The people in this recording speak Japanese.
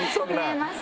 見えます。